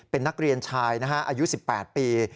เป็นนักเรียนชายนะฮะอายุ๑๘ปี